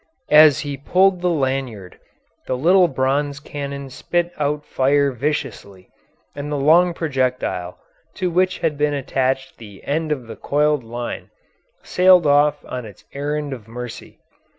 As he pulled the lanyard, the little bronze cannon spit out fire viciously, and the long projectile, to which had been attached the end of the coiled line, sailed off on its errand of mercy.